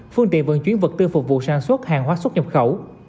phương tiện vận chuyển vật tư phục vụ sản xuất hàng hóa xuất nhập khẩu